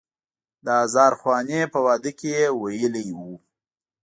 د هزار خوانې په واده کې یې ویلی و.